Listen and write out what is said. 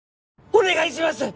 お願いします